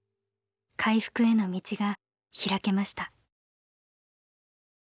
回復への道が開けました。